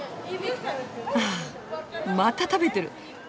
あっまた食べてる。